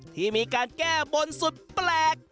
ที่มีการแก้บนสุดแปลก